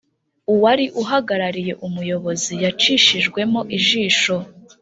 Uwari uhagarariye umuyobozi yacishijwemo ijisho